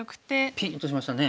ピンッとしましたね。